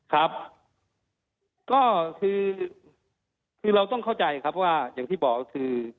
ครับก็คือคือเราต้องเข้าใจครับว่าอย่างที่บอกก็คือ